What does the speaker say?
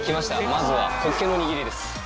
まずはホッケのにぎりです。